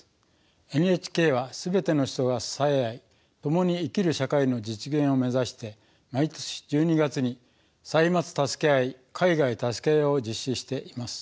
ＮＨＫは全ての人が支え合い共に生きる社会の実現を目指して毎年１２月に「歳末たすけあい海外たすけあい」を実施しています。